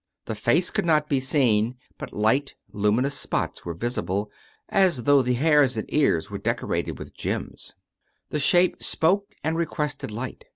The face could not be seen, but light, luminous spots were visible as though the hair and ears were decorated with gems. The shape spoke and requested light.